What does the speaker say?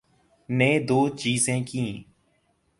‘نے دوچیزیں کیں۔